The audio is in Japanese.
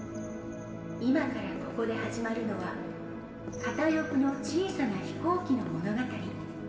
今から、ここで始まるのは片翼の小さな飛行機の物語。